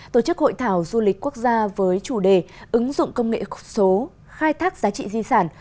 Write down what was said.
tổ chức hội thảo du lịch quốc gia với chủ đề ứng dụng công nghệ số khai thác giá trị di sản